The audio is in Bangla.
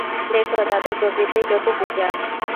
দেখো তাদের প্রকৃতির প্রতি পূজা?